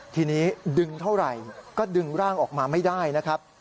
ทีนี้ดึงเท่าไหร่ก็ดึงร่างออกมาไม่ได้นะครับ